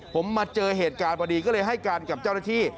ผมมาเจอเหตุการณ์พอดีก็เลยให้การกับเจ้าหน้าที่